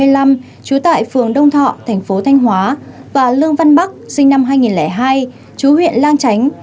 trú tại phường đông thọ tp thanh hóa và lương văn bắc sinh năm hai nghìn hai trú huyện lang chánh